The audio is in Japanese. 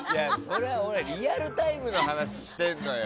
それは俺リアルタイムの話をしているのよ。